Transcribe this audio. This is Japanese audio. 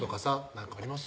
何かあります？